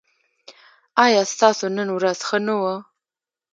ایا ستاسو نن ورځ ښه نه وه؟